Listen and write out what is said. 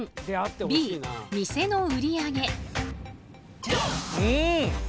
Ｂ店の売り上げ。